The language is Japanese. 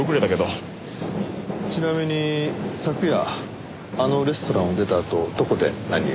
ちなみに昨夜あのレストランを出たあとどこで何を？